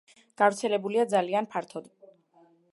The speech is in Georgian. გავრცელებულია ძალიან ფართოდ.